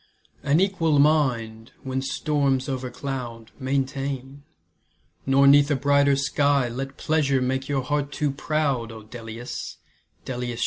An equal mind, when storms o'ercloud, Maintain, nor 'neath a brighter sky Let pleasure make your heart too proud, O Dellius, Dellius!